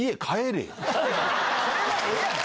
それはええやろ。